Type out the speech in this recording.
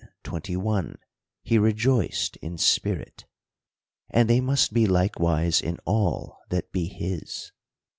21, he rejoiced in spirit) : and they must be likewise in all that be his.